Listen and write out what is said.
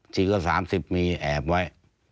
ชิคกี้พาย๓๐มีแอบไว้